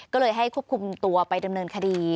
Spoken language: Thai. ก็เลยให้ควบคุมตัวไปดำเนินคดี